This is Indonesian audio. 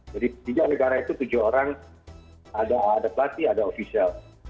tiga negara itu tujuh orang ada pelatih ada ofisial